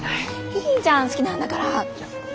いいじゃん好きなんだから！